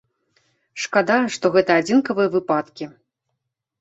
Шкада, што гэта адзінкавыя выпадкі.